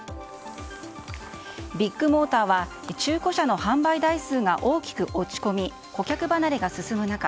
ビッグモーターは中古車の販売台数が大きく落ち込み顧客離れが進む中